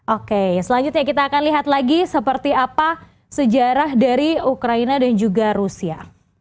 oke selanjutnya kita akan lihat lagi seperti apa sejarah dari ukraina dan juga rusia